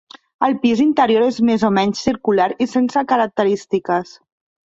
El pis interior és més o menys circular i sense característiques.